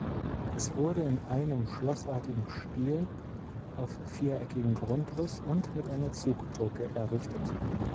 Es wurde in einem schlossartigen Stil auf viereckigem Grundriss und mit einer Zugbrücke errichtet.